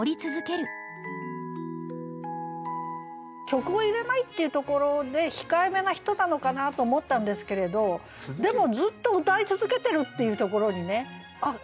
「曲を入れない」っていうところで控えめな人なのかなと思ったんですけれどでもずっと歌い続けてるっていうところにねあっ